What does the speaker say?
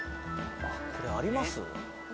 これあります？